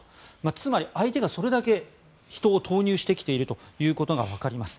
つまり、相手がそれだけ人を投入してきているということがわかります。